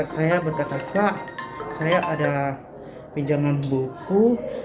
saya berkata pak saya ada pinjaman buku